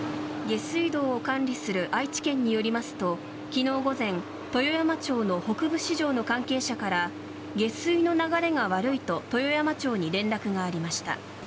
下水道を管理する愛知県によりますと昨日午前豊山町の北部市場の関係者から下水の流れが悪いと豊山町に連絡がありました。